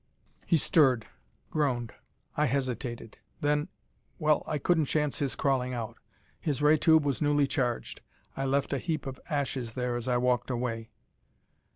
He stirred; groaned. I hesitated. Then well, I couldn't chance his crawling out. His ray tube was newly charged. I left a heap of ashes there as I walked away....